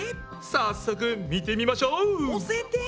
早速見てみましょう！